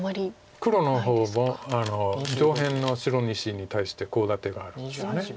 黒の方は上辺の白２子に対してコウ立てがあるんですよね。